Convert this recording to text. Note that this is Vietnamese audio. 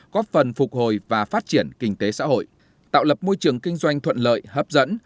góp phần phục hồi và phát triển kinh tế xã hội tạo lập môi trường kinh doanh thuận lợi hấp dẫn